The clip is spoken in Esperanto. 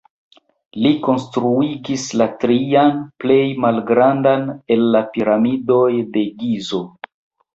Li konstruigis la trian, plej malgrandan el la Piramidoj de Gizo.